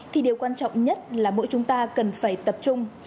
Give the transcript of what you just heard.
thì điều quan trọng nhất là mỗi chúng ta cần phải tập trung